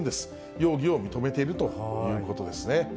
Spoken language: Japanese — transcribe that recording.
容疑を認めているということですね。